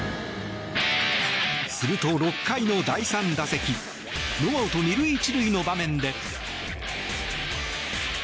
すると、６回の第３打席ノーアウト２塁１塁の場面で。